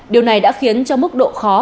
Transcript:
điều này đã khiến cho mức độ khó